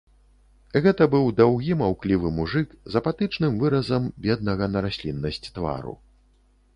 Гэта быў даўгі маўклівы мужык з апатычным выразам беднага на расліннасць твару.